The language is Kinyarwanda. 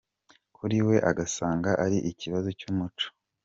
Kuri we agasanga ari ikibazo cy’umuco.